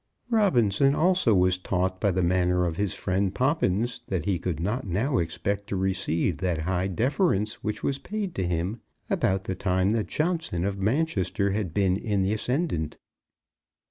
Robinson also was taught by the manner of his friend Poppins that he could not now expect to receive that high deference which was paid to him about the time that Johnson of Manchester had been in the ascendant.